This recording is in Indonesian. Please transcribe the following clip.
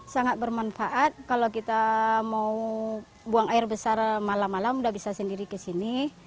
sangat bermanfaat kalau kita mau buang air besar malam malam udah bisa sendiri ke sini